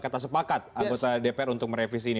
kata sepakat anggota dpr untuk merevisi ini